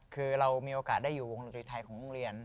คือเรามีโอกาสได้อยู่วงดนตรีไทยของโรงเรียน